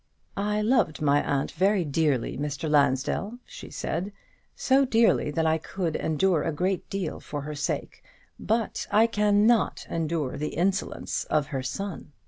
"I loved my aunt very dearly, Mr. Lansdell," she said; "so dearly that I could endure a great deal for her sake; but I can not endure the insolence of her son."